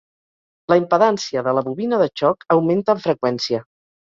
La impedància de la bobina de xoc augmenta amb freqüència.